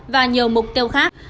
và nhiều mục tiêu khác